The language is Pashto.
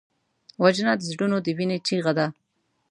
وژنه د زړونو د وینې چیغه ده